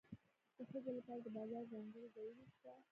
د ښځو لپاره د بازار ځانګړي ځایونه شته